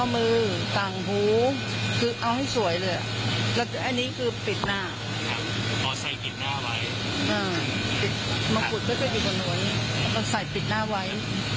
มงกุฎไม่ใช่ปิดหน้าไว้มันใส่ปิดหน้าไว้